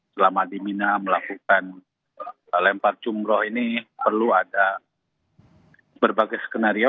selama di mina melakukan lempar jumroh ini perlu ada berbagai skenario